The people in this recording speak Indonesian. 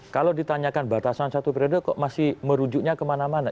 kalau ditanyakan batasan satu periode kok masih merujuknya kemana mana